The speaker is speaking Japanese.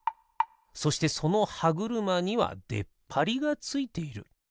そしてそのはぐるまにはでっぱりがついている。